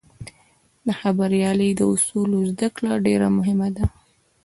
د خبریالۍ د اصولو زدهکړه ډېره مهمه ده.